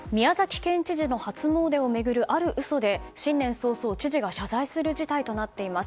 県知事の初詣を巡るある嘘で新年早々、知事が謝罪する事態となっています。